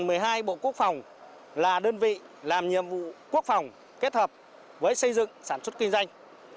tổng công ty xây dựng trường sơn là đơn vị làm nhiệm vụ quốc phòng kết hợp với xây dựng sản xuất kinh doanh